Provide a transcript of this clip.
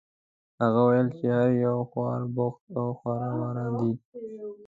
هغه وویل چې هر یو خورا بوخت او خواره واره دي.